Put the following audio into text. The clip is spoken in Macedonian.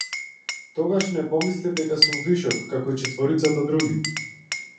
Тогаш не помислив дека сум вишок, како и четворицата други.